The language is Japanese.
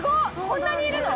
こんなにいるの？